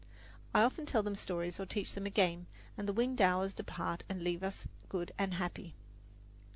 I often tell them stories or teach them a game, and the winged hours depart and leave us good and happy.